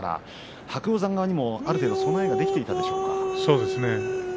白鷹山にもある程度その絵ができていたでしょうか。